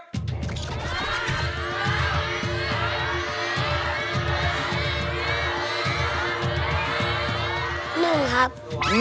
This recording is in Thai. ๑ครับ